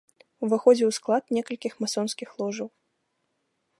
Уваходзіў у склад некалькіх масонскіх ложаў.